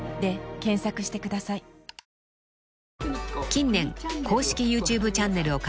［近年公式ＹｏｕＴｕｂｅチャンネルを開設した